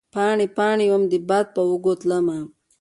پاڼې ، پا ڼې وم د باد په اوږو تلمه